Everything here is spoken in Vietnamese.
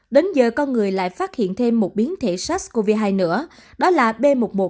đến giờ con người lại phát hiện thêm một biến thể sars cov hai nữa đó là b một một năm trăm hai mươi chín